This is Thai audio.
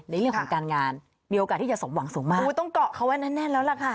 ในเรื่องของการงานมีโอกาสที่จะสมหวังสูงมากอุ้ยต้องเกาะเขาไว้แน่นแน่นแล้วล่ะค่ะ